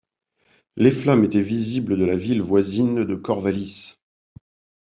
Les flammes étaient visibles de la ville voisine de Corvallis.